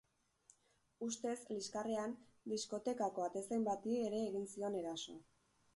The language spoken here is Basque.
Ustez, liskarrean, diskotekako atezain bati ere egin zion eraso.